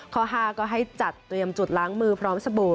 ข้อ๕ก็ให้จัดเตรียมจุดล้างมือพร้อมสบู่